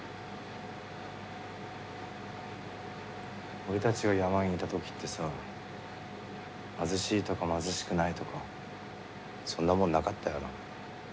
俺たちが山にいた時ってさ貧しいとか貧しくないとかそんなもんなかったよな。